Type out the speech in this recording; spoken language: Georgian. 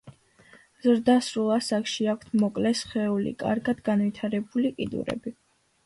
ზრდასრულ ასაკში აქვთ მოკლე სხეული, კარგად განვითარებული კიდურები.